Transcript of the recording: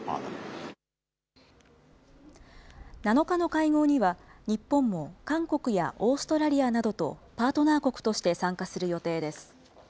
７日の会合には、日本も韓国やオーストラリアなどとパートナー国として参加する予定です。